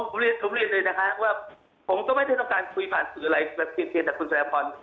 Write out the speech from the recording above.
ผมเรียนเลยนะคะว่าผมก็ไม่ได้ต้องการคุยผ่านสื่ออะไรแบบเก่งแต่คุณแสนพร